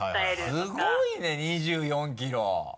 すごいね２４キロ。